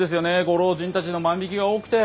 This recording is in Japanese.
ご老人たちの万引きが多くて。